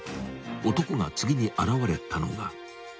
［男が次に現れたのが］